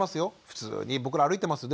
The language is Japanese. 普通に僕ら歩いてます。